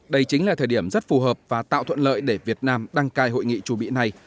đây chính là thời điểm rất phù hợp và tạo thuận lợi để việt nam đăng cai hội nghị trù bị này